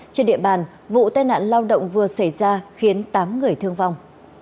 trên địa bàn vụ tai nạn lao động vừa xảy ra khiến tám người thương vong